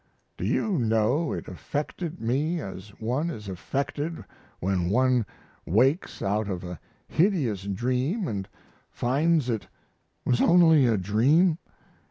Do you know it affected me as one is affected when one wakes out of a hideous dream & finds it was only a dream.